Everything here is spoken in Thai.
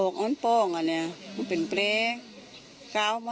กระปากกลิ่นหมด